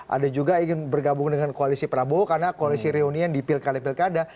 ada juga ingin bergabung dengan koalisi prabowo karena koalisi reunian di pilkada pilkada